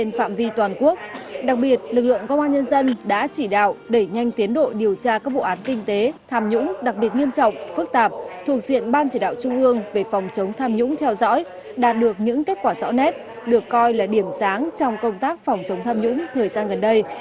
nhân dân đã chỉ đạo đẩy nhanh tiến độ điều tra các vụ án kinh tế tham nhũng đặc biệt nghiêm trọng phức tạp thuộc diện ban chỉ đạo trung ương về phòng chống tham nhũng theo dõi đạt được những kết quả rõ nét được coi là điểm sáng trong công tác phòng chống tham nhũng thời gian gần đây